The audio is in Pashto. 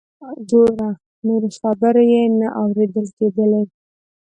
ګوره…. نورې خبرې یې نه اوریدل کیدلې.